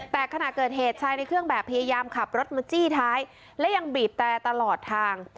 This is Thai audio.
แต่ขณะเกิดเหตุชายในเครื่องแบบพยายามขับรถมาจี้ท้ายและยังบีบแต่ตลอดทาง